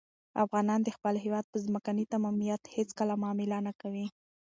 افغانان د خپل هېواد په ځمکنۍ تمامیت هېڅکله معامله نه کوي.